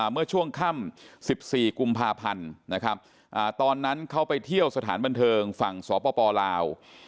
เมื่อช่วงค่ำ๑๔กุมภาพันธ์นะครับตอนนั้นเขาไปเที่ยวสถานบันเทิงฝั่งสปลาว